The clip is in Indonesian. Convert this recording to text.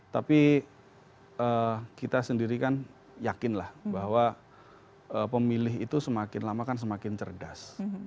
tapi kita sendiri kan yakinlah bahwa pemilih itu semakin lama kan semakin cerdas